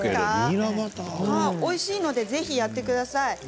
おいしいのでぜひやってください。